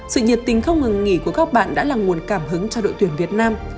sự nhiệt tình không ngừng nghỉ của các bạn đã là nguồn cảm hứng cho đội tuyển việt nam